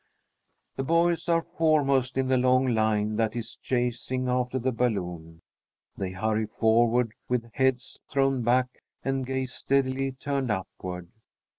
The boys are foremost in the long line that is chasing after the balloon. They hurry forward, with heads thrown back, and gaze steadily turned upward.